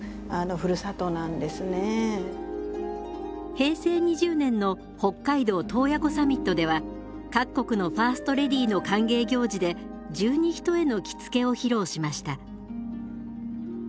平成２０年の北海道洞爺湖サミットでは各国のファーストレディーの歓迎行事で十二ひとえの着付けを披露しました。